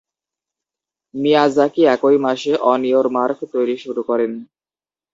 Miyazaki একই মাসে "on your mark" তৈরি শুরু করেন।